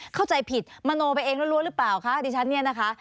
เข้าใจผิดมโนไปเองล้วนหรือเปล่าคะดิฉันเนี่ยนะคะ